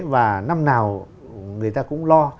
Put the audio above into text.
và năm nào người ta cũng lo